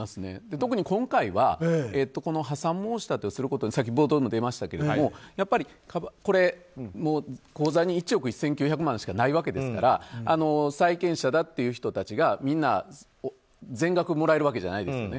特に今回は破産申し立てをすることにさっき冒頭にも出ましたが口座に１億１９００万しかないわけですから債権者だという人たちがみんな全額もらえるわけじゃないですよね。